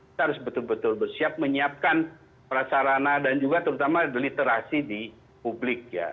kita harus betul betul bersiap menyiapkan prasarana dan juga terutama literasi di publik ya